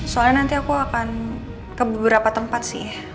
soalnya nanti aku akan ke beberapa tempat sih